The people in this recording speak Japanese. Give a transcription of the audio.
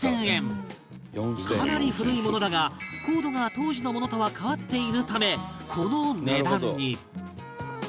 かなり古いものだがコードが当時のものとは替わっているためこの値段に